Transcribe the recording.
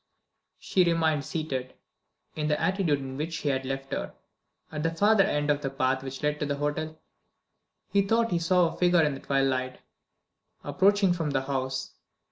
She remained seated, in the attitude in which he had left her. At the further end of the path which led to the hotel, he thought he saw a figure in the twilight, approaching from the house.